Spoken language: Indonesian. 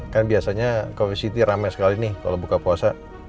kan biasanya koe city rame sekali nih kalau buka puasa